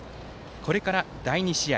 これから第２試合